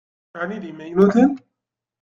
Ɛni d imaynuten?